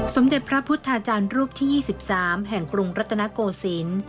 สมเด็จพระพุทธอาจารย์รูปที่ยี่สิบสามแห่งกรุงรัฐนาโกสินศ์